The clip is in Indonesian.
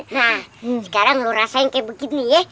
nah sekarang lo rasain kaya begini ye